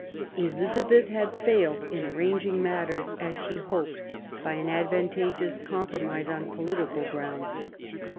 Elizabeth had failed in arranging matters, as she hoped, by an advantageous compromise on political grounds.